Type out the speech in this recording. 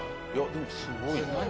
でもすごいな。